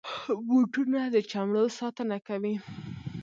بوټونه د چمړو ساتنه کوي.